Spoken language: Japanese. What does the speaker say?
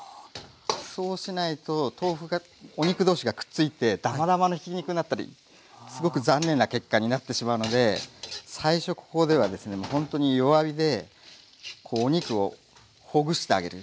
そうしないと豆腐がお肉どうしがくっついてダマダマのひき肉になったりすごく残念な結果になってしまうので最初ここではですねもうほんとに弱火でこうお肉をほぐしてあげる。